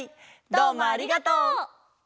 どうもありがとう！